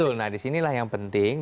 betul nah disinilah yang penting